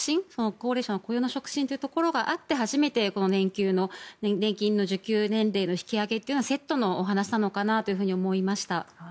高齢者の雇用の促進というところがあって初めて年金の受給年齢の引き上げというのはセットのお話なのかなと思いました。